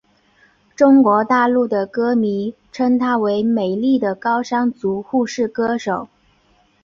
中国大陆的歌迷称她为美丽的高山族护士歌手。